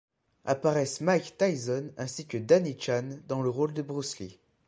Apparaissent Mike Tyson ainsi que Danny Chan dans le rôle de Bruce Lee.